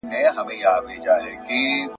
په عزت یې مېلمه کړی په ریشتیا یې..